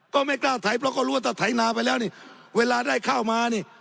ก็ไม่กล้าไถเพราะก็รู้ว่าถ้าไถนาไปแล้วนี่เวลาได้ข้าวมานี่